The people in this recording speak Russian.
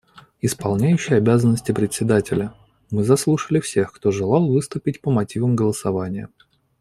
Исполняющий обязанности Председателя: Мы заслушали всех, кто желал выступить по мотивам голосования.